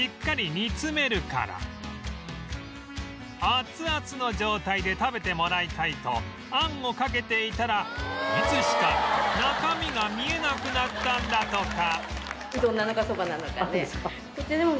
熱々の状態で食べてもらいたいと餡をかけていたらいつしか中身が見えなくなったんだとか